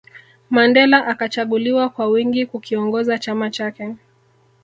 Mandela akachaguliwa kwa wingi kukiongoza chama chake